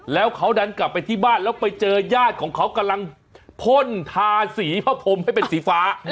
แล้วเขาดันกลับไปที่บ้านแล้วไปเจอญาติของเขากำลังพ่นทาสีพระพรมให้เป็นสีฟ้า